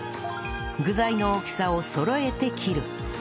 具材の大きさをそろえて切る